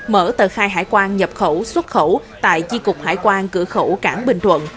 mở tờ khai hải quan nhập khẩu xuất khẩu tại chi cục hải quan cửa khẩu cảng bình thuận